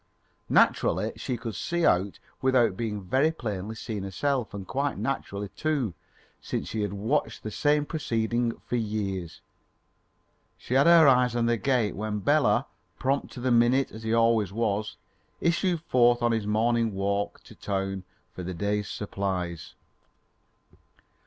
Naturally, she could see out without being very plainly seen herself; and quite naturally, too, since she had watched the same proceeding for years, she had her eyes on this gate when Bela, prompt to the minute as he always was, issued forth on his morning walk to town for the day's supplies.